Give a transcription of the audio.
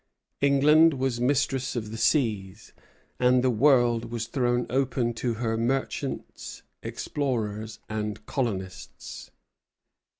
England was mistress of the seas, and the world was thrown open to her merchants, explorers, and colonists.